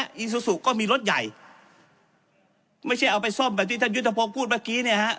อีซูซูก็มีรถใหญ่ไม่ใช่เอาไปซ่อมแบบที่ท่านยุทธพงศ์พูดเมื่อกี้เนี่ยฮะ